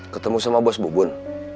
ketemu sama bos bu bun